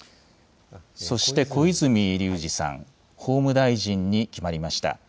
そして小泉龍司さん、法務大臣に決まりました。